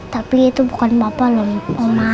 tapi itu bukan papa lho oma